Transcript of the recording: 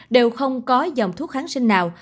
đều không có dòng thuốc kháng sinh nào